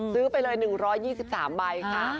ซื้อไปเลย๑๒๓ใบค่ะ